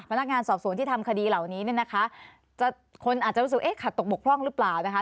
พนักงานสอบสวนที่ทำคดีเหล่านี้เนี่ยนะคะจะคนอาจจะรู้สึกเอ๊ะขัดตกบกพร่องหรือเปล่านะคะ